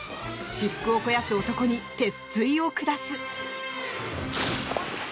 私腹を肥やす男に鉄槌を下す。